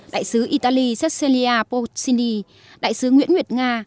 đại sứ italy cecilia pozzini đại sứ nguyễn nguyệt nga